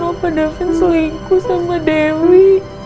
opa davin selingkuh sama dewi